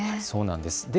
そうなんです。